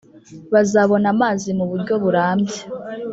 bazabona amazi mu buryo burambye